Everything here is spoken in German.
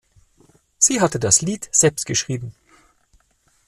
Sie hatte das Lied selbst geschrieben.